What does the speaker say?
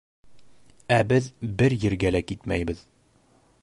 — Ә беҙ бер ергә лә китмәйбеҙ...